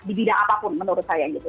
di bidang apapun menurut saya gitu